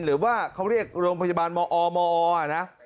หรือว่าเขาเรียกโรงพยาบาลมอมอนะ